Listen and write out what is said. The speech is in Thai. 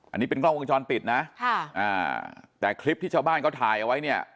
อันนี้เป็นกล้องวงจรปิดนะค่ะอ่าแต่คลิปที่ชาวบ้านเขาถ่ายเอาไว้เนี่ย